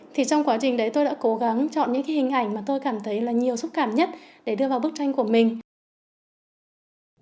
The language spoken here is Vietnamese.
thì trong quá trình đấy tôi đã cố gắng chọn những hình ảnh mà tôi cảm thấy là nhiều xúc cảm nhất để đưa vào bức tranh của mình